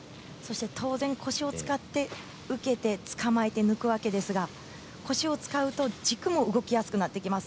当然、腰を使って受けてつかまえて向くわけですが腰を使うと軸も動きやすくなってきます。